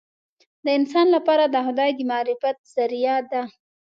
د انسان لپاره د خدای د معرفت ذریعه ده.